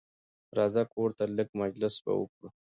راځه کورته لېږ مجلس به وکړو